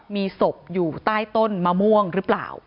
มีศพอยู่ใต้ต้นมะม่วงหรือเปล่า